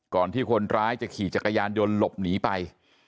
ก่อนที่คนร้ายจะขี่จักรยานยนต์หลบหนีไป